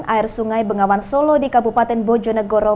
air sungai bengawan solo di kabupaten bojonegoro